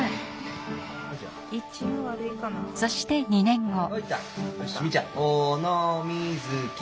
そして２年後。